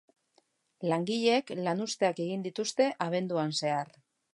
Langileek lanuzteak egin dituzte abenduan zehar.